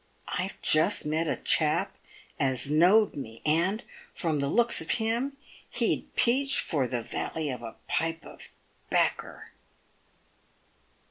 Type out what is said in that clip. " I've just met a chap as knowed me, and, from the looks of him, he'd peach for the vally of a pipe of baccer."